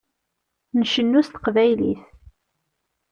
Ncennu s teqbaylit.